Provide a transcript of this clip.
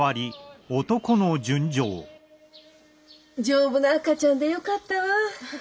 丈夫な赤ちゃんでよかったわ。